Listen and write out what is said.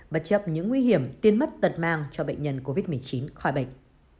bất chấp những nguy hiểm tiên mất tật mang cho bệnh nhân covid một mươi chín khỏi bệnh